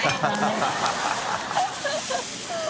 ハハハ